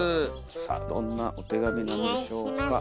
さあどんなお手紙なんでしょうか。